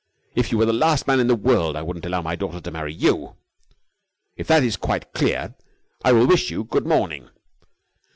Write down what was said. If you were the last man in the world I wouldn't allow my daughter to marry you! If that is quite clear, I will wish you good morning!"